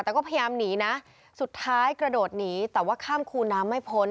แต่ก็พยายามหนีนะสุดท้ายกระโดดหนีแต่ว่าข้ามคูน้ำไม่พ้น